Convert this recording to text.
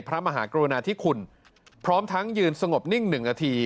พระมหากรุณาธิคุณพร้อมทั้งยืนสงบนิ่ง๑นาที